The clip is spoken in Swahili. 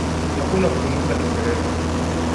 Hakuna kuzungumza kiingereza